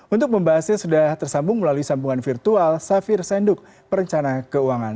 untuk membahasnya sudah tersambung melalui sambungan virtual safir senduk perencana keuangan